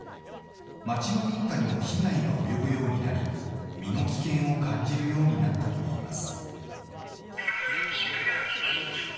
町の民家にも被害が及ぶようになり、身の危険を感じるようになったといいます。